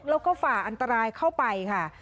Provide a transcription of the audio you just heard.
แล้วก็ฝ่าอันตรายเข้าไปค่ะ